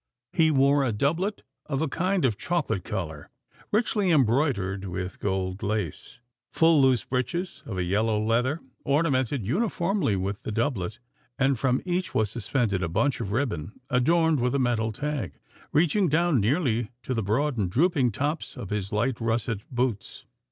"He wore a doublet of a kind of chocolate colour, richly embroidered with gold lace, full loose breeches of a yellow leather, ornamented uniformly with the doublet, and from each was suspended a bunch of ribbon, adorned with a metal tag, reaching down nearly to the broad and drooping tops of his light russet boots.